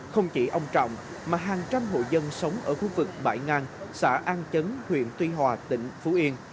không chỉ ông trọng mà hàng trăm hộ dân sống ở khu vực bãi ngang xã an chấn huyện tuy hòa tỉnh phú yên